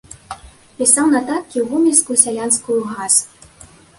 Пісаў нататкі ў гомельскую сялянскую газ.